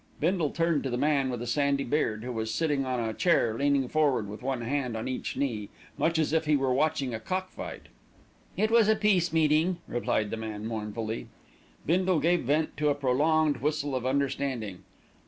Bindle turned to the man with the sandy beard, who was sitting on a chair leaning forward with one hand on each knee, much as if he were watching a cock fight. "It was a Peace meeting," replied the man mournfully. Bindle gave vent to a prolonged whistle of understanding.